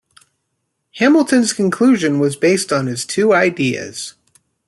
Hamilton's conclusion was based on his two ideas.